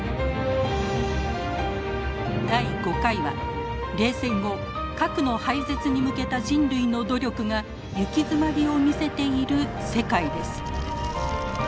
第５回は冷戦後核の廃絶に向けた人類の努力が行き詰まりを見せている世界です。